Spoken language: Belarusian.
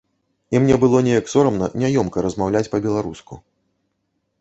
І мне было неяк сорамна, няёмка размаўляць па-беларуску.